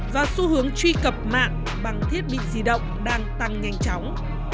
và xu hướng truy cập mạng bằng thiết bị di động đang tăng nhanh chóng